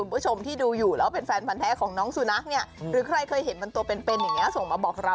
น้อยมากอะนึง